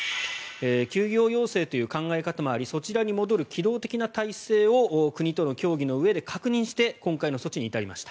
休業要請という考え方もありそちらに戻る機動的な体制を国との協議のうえで確認して今回の措置に至りました。